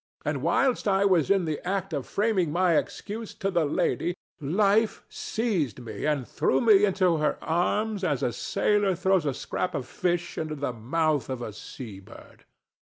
And whilst I was in the act of framing my excuse to the lady, Life seized me and threw me into her arms as a sailor throws a scrap of fish into the mouth of a seabird.